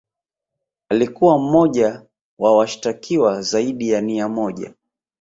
Alikuwa mmoja wa washitakiwa zaidi ya nia moja